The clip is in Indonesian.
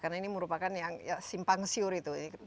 karena ini merupakan yang simpang siur itu